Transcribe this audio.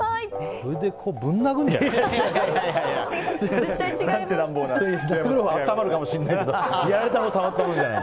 これでぶん殴るんじゃない？